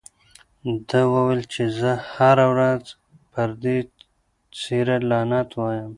ده وویل چې زه به هره ورځ پر دې څېره لعنت وایم.